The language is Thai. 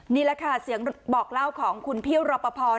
นี่แหละค่ะเสียงบอกเล่าของคุณพี่รอปภ